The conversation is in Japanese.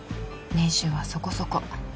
年収はそこそこ。